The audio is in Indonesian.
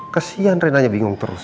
kesian renanya bingung terus